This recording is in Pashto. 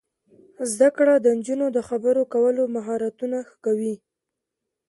زده کړه د نجونو د خبرو کولو مهارتونه ښه کوي.